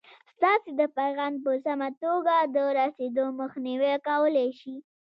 ستاسې د پیغام په سمه توګه د رسېدو مخنیوی کولای شي.